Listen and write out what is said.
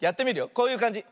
こういうかんじ。